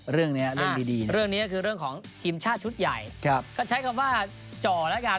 เรื่องนี้คือเรื่องของทีมชาติชุดใหญ่ก็ใช้คำว่าจ่อแล้วกัน